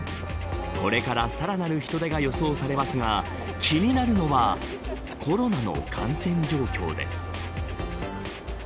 これからさらなら人出が予想されますが気になるのはコロナの感染状況です。